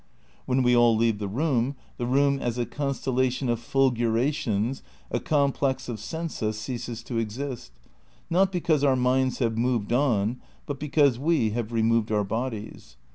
When we all leave the room, the room as a constellation of " fulgurations, " a complex of sensa, ceases to exist, not because our minds have moved on, but because we have removed our bodies.